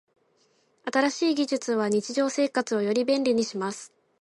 新しい技術は日常生活をより便利にします。